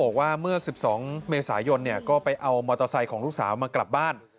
บอกว่าเมื่อ๑๒เมษายนก็ไปเอามอเตอร์ไซค์ของลูกสาวมากลับบ้าน